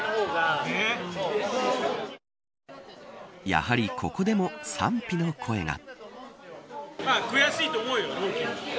やはりここでも賛否の声が。